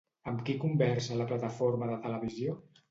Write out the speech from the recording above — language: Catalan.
Amb qui conversa la plataforma de televisió?